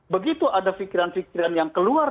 begitu ada pikiran pikiran yang keluar